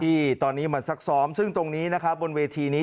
ที่ตอนนี้มาซักซ้อมซึ่งตรงนี้นะครับบนเวทีนี้